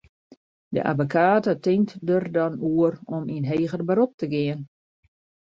De abbekate tinkt der dan oer om yn heger berop te gean.